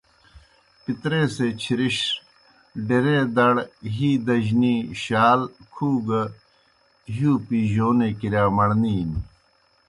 پِتریسےچِھرِݜ ڈیرے دڑ، ہِی دجنی، شال، کُھو گہ ہِیؤ پیجونے کِرِیا مڑنے نیْ۔